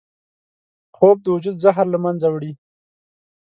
خوب د وجود زهر له منځه وړي